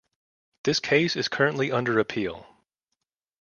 This case is currently under appeal.